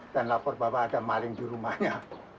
dan lapor bahwa ada maling di rumahnya